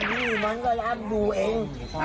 อ๋อนี่มันก็อันดูเอง